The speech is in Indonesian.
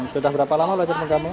sudah berapa lama belajar mengganggu